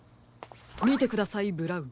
みてくださいブラウン。